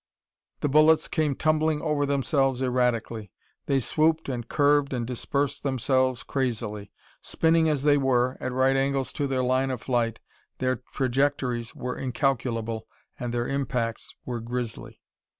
The bullets came tumbling over themselves erratically. They swooped and curved and dispersed themselves crazily. Spinning as they were, at right angles to their line of flight, their trajectories were incalculable and their impacts were grisly.